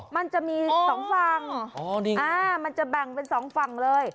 มันจะมีสองฝั่งมันจะแบ่งเป็นสองฝั่งเลย